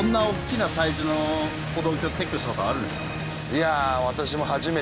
いやあ私も。